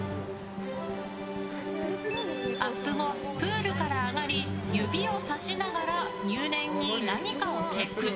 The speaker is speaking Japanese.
アップ後、プールから上がり指をさしながら入念に何かをチェック。